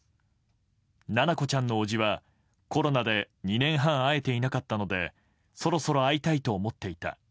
七菜子ちゃんのおじはコロナで２年半会えていなかったのでそろそろ会いたいと思っていた。